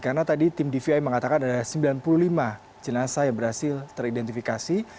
karena tadi tim dvi mengatakan ada sembilan puluh lima jenazah yang berhasil teridentifikasi